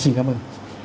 xin cảm ơn